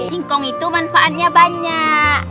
singkong itu manfaatnya banyak